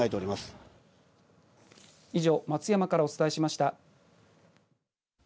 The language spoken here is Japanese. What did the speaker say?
以上、松山からお伝えしました。